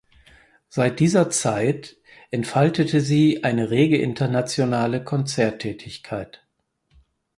Seit dieser Zeit entfaltete sie eine rege internationale Konzerttätigkeit.